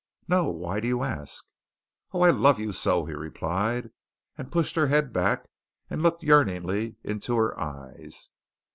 "No. Why do you ask?" "Oh, I love you so!" he replied, and pushed her head back and looked yearningly into her eyes.